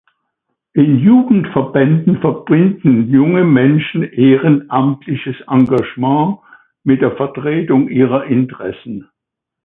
In Jugendverbänden verbinden junge Menschen ehrenamtliches Engagement mit der Vertretung ihrer Interessen.